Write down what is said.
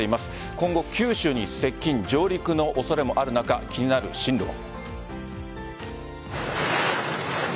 今後、九州に接近上陸の恐れもある中気になる進路は。